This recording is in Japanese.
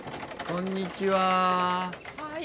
こんにちは。